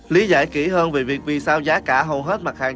lý giải kỹ hơn về việc vì sao giá cả hầu hết mặt hàng